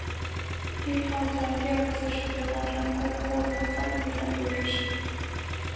利号在第二次世界大战共获得三枚战斗之星。